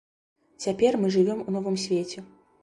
Цяпер мы жывём у новым свеце.